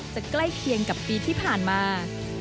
ใกล้เคียงกับปีที่ผ่านมา